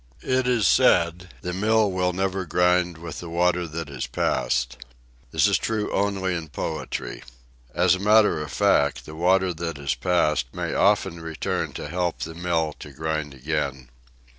It is said that "the mill will never grind with the water that has passed." This is true only in poetry. As a matter of fact, "the water that has passed" may often return to help the mill to grind again.